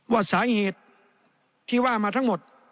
ว่าสาเหตุที่ว่ามาทั้งหมด